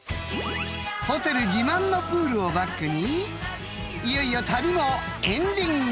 ［ホテル自慢のプールをバックにいよいよ旅も］